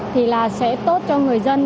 thì là sẽ tốt cho người dân